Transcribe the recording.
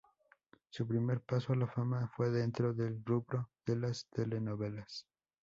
Su primer paso a la fama fue dentro del rubro de las telenovelas.